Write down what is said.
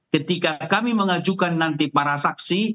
ketika kami mengajukan nanti para saksi